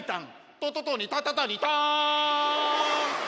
トトトニタタタニタン。